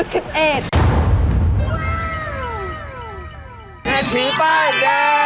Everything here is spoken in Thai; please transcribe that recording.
เศรษฐีป้ายแดง